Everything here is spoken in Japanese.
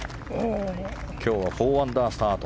今日は４アンダースタート。